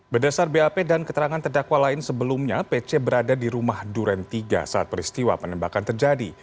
berdasar bap dan keterangan terdakwa lain sebelumnya pc berada di rumah duren tiga saat peristiwa penembakan terjadi